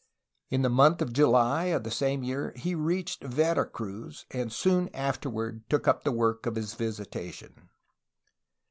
In the month of July of the same year, he reached Vera Cruz, and soon afterward took up the work of his visitation.